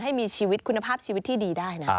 ให้มีชีวิตคุณภาพชีวิตที่ดีได้นะ